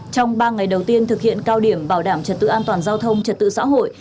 trong ba ngày đầu tiên thực hiện cao điểm bảo đảm trật tự an toàn giao thông trật tự xã hội